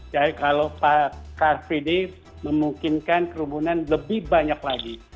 jadi kalau cfd memungkinkan kerumunan lebih banyak lagi